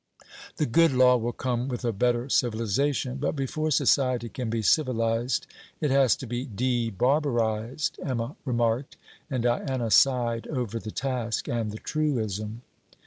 'The good law will come with a better civilization; but before society can be civilized it has to be debarbarized,' Emma remarked, and Diana sighed over the task and the truism.